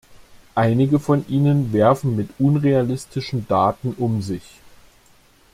Einige von ihnen werfen mit unrealistischen Daten um sich.